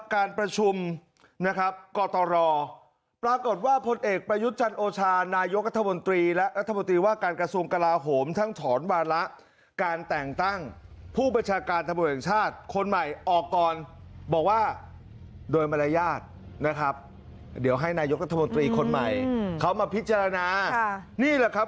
การประชุมนะครับกตรปรากฏว่าพลเอกประยุทธ์จันโอชานายกรัฐมนตรีและรัฐมนตรีว่าการกระทรวงกลาโหมทั้งถอนวาระการแต่งตั้งผู้บัญชาการตำรวจแห่งชาติคนใหม่ออกก่อนบอกว่าโดยมารยาทนะครับเดี๋ยวให้นายกรัฐมนตรีคนใหม่เขามาพิจารณานี่แหละครับ